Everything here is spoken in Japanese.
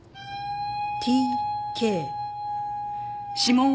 「Ｔ・Ｋ」指紋は？